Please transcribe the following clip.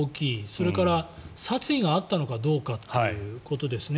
それから殺意があったのかどうかということですね。